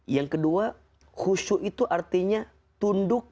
yang kedua khusyuk itu artinya tunduk